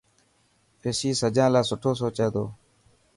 رشي سجان لاءِ سٺو سوچي ٿو.